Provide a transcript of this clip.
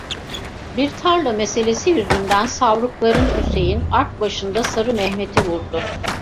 Bir tarla meselesi yüzünden Savrukların Hüseyin, Arkbaşı'nda Sarı Mehmet'i vurdu.